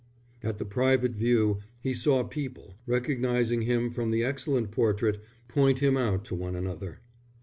At the private view he saw people, recognizing him from the excellent portrait, point him out to one another.